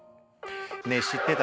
ねえ知ってた？